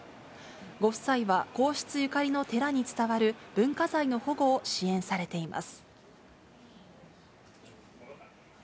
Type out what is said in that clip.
ご夫妻は皇室ゆかりの寺に伝わる文化財の保護を支援されています。